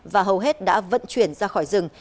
và hầu hết đã vận chuyển ra khỏi rừng